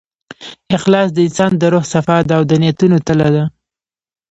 اخلاص د انسان د روح صفا ده، او د نیتونو تله ده.